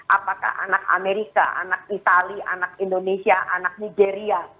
apakah anak amerika anak itali anak indonesia anak nigeria